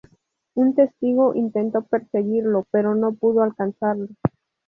Un testigo intentó perseguirlo pero no pudo alcanzarlo.